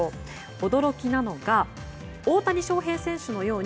驚きなのが大谷翔平選手のように